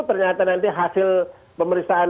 ternyata nanti hasil pemeriksaan